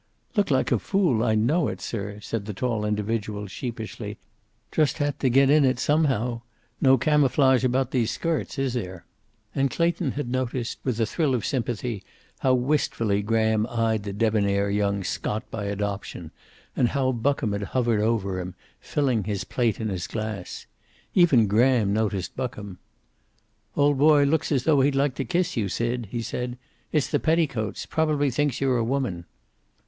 "Look like a fool, I know, sir," said the tall individual sheepishly. "Just had to get in it somehow. No camouflage about these skirts, is there?" And Clayton had noticed, with a thrill of sympathy, how wistfully Graham eyed the debonnair young Scot by adoption, and how Buckham had hovered over him, filling his plate and his glass. Even Graham noticed Buckham. "Old boy looks as though he'd like to kiss you, Sid," he said. "It's the petticoats. Probably thinks you're a woman."